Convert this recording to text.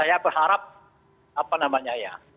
saya berharap apa namanya ya